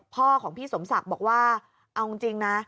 พ่อของพี่สมศักดิ์บอกว่าเอาจริงนะ